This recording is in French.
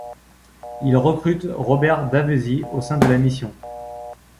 Il recrute Robert Davezies au sein de la Mission.